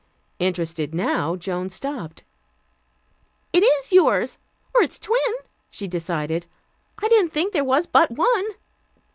Interested now, Joan stopped. "It is yours, or its twin," she decided. "I didn't think there was but one."